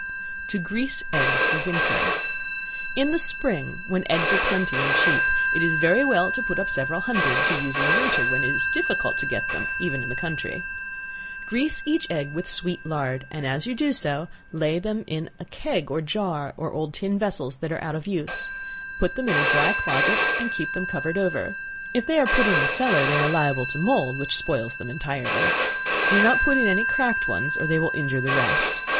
To Grease Eggs for Winter. In the spring when eggs are plenty and cheap, it is very well to put up several hundred, to use in the winter, when it is very difficult to get them, even in the country. Grease each egg with sweet lard, and as you do so, lay them in a keg or jar, or old tin vessels that are out of use; put them in a dry closet and keep them covered over; if they are put in the cellar, they are liable to mould, which spoils them entirely. Do not put in any cracked ones, or they will injure the rest.